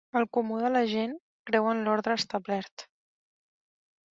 El comú de la gent creu en l'ordre establert.